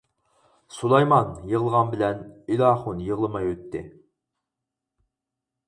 سۇلايمان يىغلىغان بىلەن، ئېلاخۇن يىغلىماي ئۆتتى.